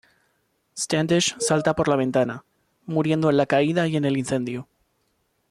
Standish salta por la ventana, muriendo en la caída y en el incendio.